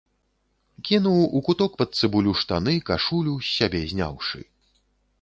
Кінуў у куток пад цыбулю штаны, кашулю, з сябе зняўшы.